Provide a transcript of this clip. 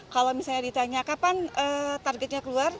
kalau misalnya ditanya kapan targetnya keluar